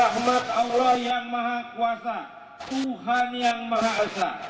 rahmat allah yang maha kuasa tuhan yang maha esa